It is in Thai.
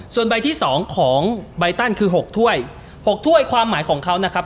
ส่วนใบที่สองของใบตันคือ๖ถ้วย๖ถ้วยความหมายของเขานะครับ